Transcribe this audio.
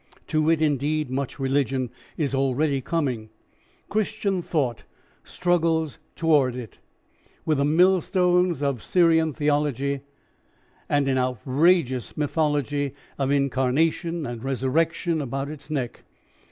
To it indeed much religion is already coming. Christian thought struggles towards it, with the millstones of Syrian theology and an outrageous mythology of incarnation and resurrection about its neck.